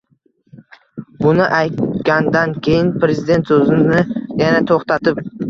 Buni aytgandan keyin Prezident so‘zini yana to‘xtatib